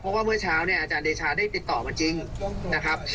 เพราะว่าเมื่อเช้าเนี่ยอาจารย์เดชาได้ติดต่อมาจริงนะครับ